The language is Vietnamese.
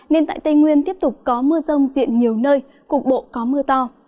nên tại tây nguyên tiếp tục có mưa rông diện nhiều nơi cục bộ có mưa to